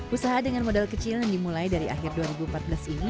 usaha dengan modal kecil yang dimulai dari akhir dua ribu empat belas ini